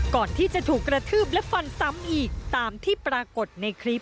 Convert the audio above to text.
ก่อนที่จะถูกกระทืบและฟันซ้ำอีกตามที่ปรากฏในคลิป